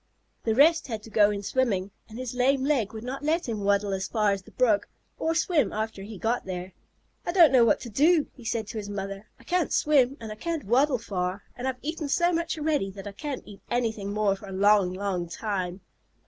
The rest had to go in swimming, and his lame leg would not let him waddle as far as the brook, or swim after he got there. "I don't know what to do," he said to his mother. "I can't swim and I can't waddle far, and I've eaten so much already that I can't eat anything more for a long, long time."